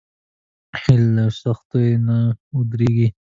هیلۍ له سختیو نه نه وېرېږي